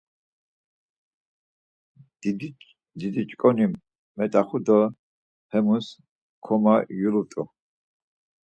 Didi ç̌ǩoni met̆axu do hemus ǩoma yulut̆u.